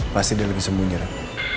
pasti dia lagi sembunyi rad